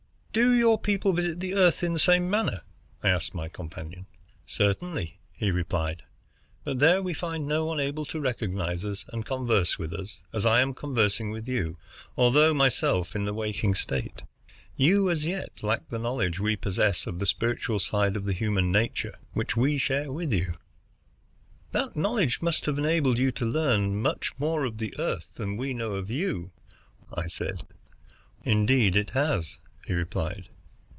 "Do your people visit the Earth in the same manner?" I asked my companion. "Certainly," he replied; "but there we find no one able to recognize us and converse with us as I am conversing with you, although myself in the waking state. You, as yet, lack the knowledge we possess of the spiritual side of the human nature which we share with you." "That knowledge must have enabled you to learn much more of the Earth than we know of you," I said. "Indeed it has," he replied.